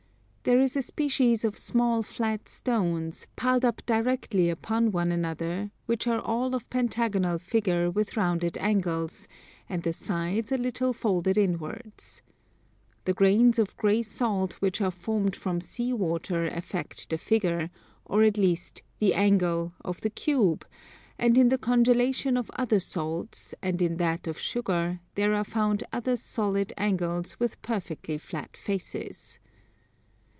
There is a species of small flat stones, piled up directly upon one another, which are all of pentagonal figure with rounded angles, and the sides a little folded inwards. The grains of gray salt which are formed from sea water affect the figure, or at least the angle, of the cube; and in the congelations of other salts, and in that of sugar, there are found other solid angles with perfectly flat faces.